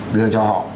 đưa cho họ